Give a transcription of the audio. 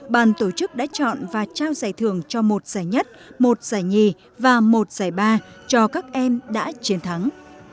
các học đã chọn và trao giải thưởng cho một giải nhất một giải nhì và một giải ba cho các em đã chiến thắng